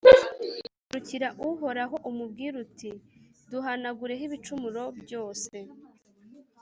Garukira Uhoraho, umubwire uti«Duhanagureho ibicumuro byose